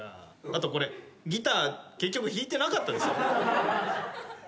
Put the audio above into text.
あとこれギター結局弾いてなかったですよ。